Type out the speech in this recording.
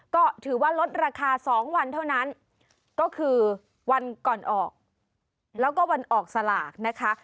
ก็ถือว่าลดราคา๒วันเท่านั้นก็คือวันก่อนออกแล้วก็วันออกสลากนะคะ